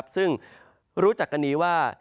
ซึ่งรู้จักกันนี้ว่า